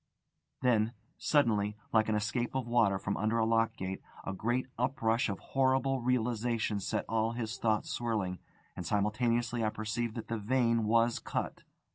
Then, suddenly, like an escape of water from under a lock gate, a great uprush of horrible realisation set all his thoughts swirling, and simultaneously I perceived that the vein was cut.